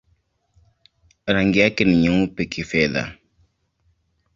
Rangi yake ni nyeupe-kifedha.